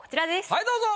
はいどうぞ。